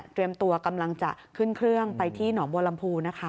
ตัวกำลังจะขึ้นเครื่องไปที่หนองบัวลำพูนะคะ